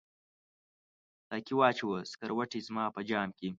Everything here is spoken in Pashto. ساقي واچوه سکروټي زما په جام کې